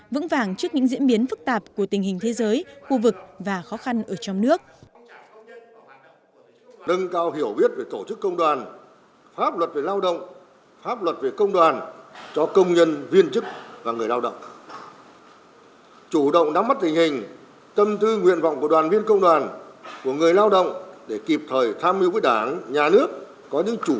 vững vàng trước những diễn biến phức tạp của tình hình thế giới khu vực và khó khăn ở trong nước